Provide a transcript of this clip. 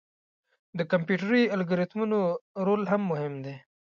د کمپیوټري الګوریتمونو رول هم مهم دی.